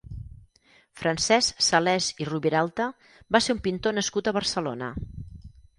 Francesc Salès i Roviralta va ser un pintor nascut a Barcelona.